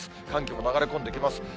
寒気も流れ込んできます。